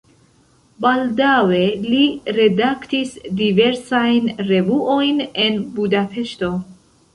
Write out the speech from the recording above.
Baldaŭe li redaktis diversajn revuojn en Budapeŝto.